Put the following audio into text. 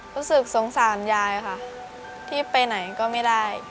รู้สึกสงสารยายค่ะที่ไปไหนก็ไม่ได้